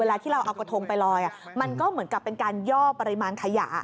เวลาที่เราเอากระทงไปลอยมันก็เหมือนกับเป็นการย่อปริมาณขยะ